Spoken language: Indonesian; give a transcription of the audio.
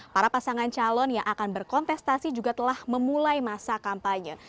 para pasangan calon yang akan berkontestasi juga telah memulai masa kampanye